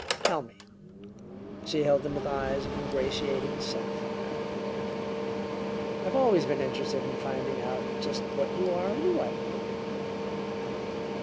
Tell me " she held him with eyes of ingratiating sapphire "I've always been interested in finding out just what you are, anyway."